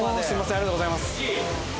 ありがとうございます